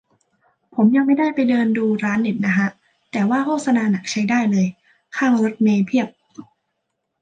ผมยังไม่ได้ไปเดินดูร้านเน็ตนะฮะ แต่ว่าโฆษนาหนักใช้ได้เลย ข้างรถเมล์เพียบ